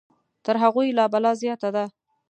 تر هغوی لا بلا زیاته ده.